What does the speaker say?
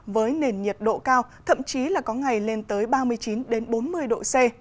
với nền nhiệt độ cao thậm chí là có ngày lên tới ba mươi chín bốn mươi độ c